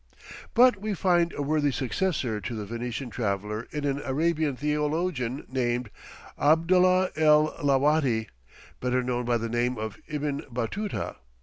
But we find a worthy successor to the Venetian traveller in an Arabian theologian, named Abdallah El Lawati, better known by the name of Ibn Batuta.